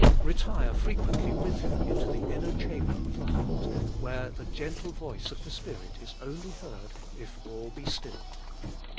Eetire frequently with Him into the inner chamber of the heart, where the gentle voice of the Spirit is only heard if all be still.